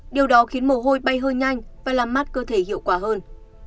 điều đó khiến mồ hôi bay hơi nhanh và làm mát cơ thể hiệu quả hơn